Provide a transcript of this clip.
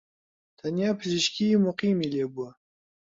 تەنیا پزیشکیی موقیمی لێبووە